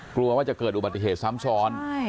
กลัวว่าจะเกิดอุบัติเหตุซ้ำซ้อน